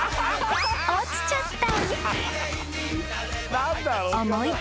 落ちちゃった］